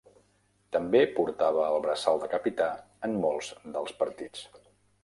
També portava el braçal de capità en molts dels partits.